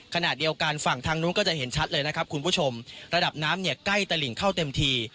ขณะเดียวกันฝั่งทางนู้นก็จะเห็นชัดเลยนะครับคุณผู้ชมระดับน้ำเนี่ยใกล้ตะหลิงเข้าเต็มที